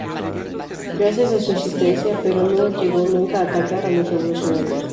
Gracias a su insistencia, pero, no llegó nunca a atacar a los revolucionarios.